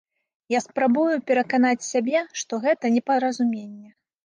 Я спрабую пераканаць сябе, што гэта непаразуменне.